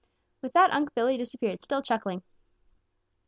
With that Unc' Billy disappeared, still chuckling.